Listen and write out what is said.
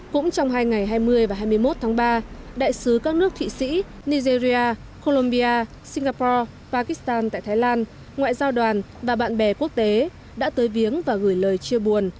cũng trong hai ngày hai mươi và hai mươi một tháng ba đại sứ các nước thụy sĩ nigeria colombia singapore pakistan tại thái lan ngoại giao đoàn và bạn bè quốc tế đã tới viếng và gửi lời chia buồn